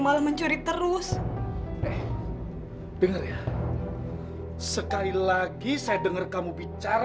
kalau cuma itu syaratnya saya sanggup pak